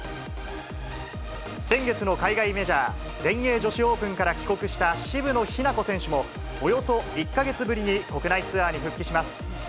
先月の海外メジャー、全英女子オープンから帰国した渋野日向子選手も、およそ１か月ぶりに国内ツアーに復帰します。